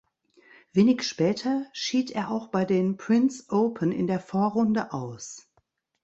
Wenig später schied er auch bei den Prince Open in der Vorrunde aus.